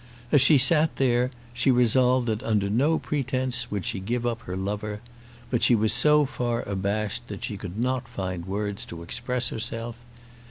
As she sat there she resolved that under no pretence would she give up her lover; but she was so far abashed that she could not find words to express herself.